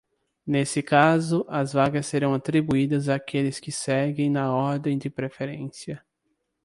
Nesse caso, as vagas serão atribuídas àqueles que seguem na ordem de preferência.